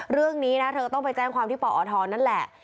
เรื่องนี้นะเธอต้องไปแจ้งความที่ปอทนั่นแหละ